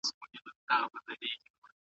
مګر کله چي د څه باندي اویا کالو